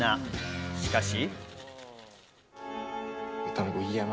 しかし。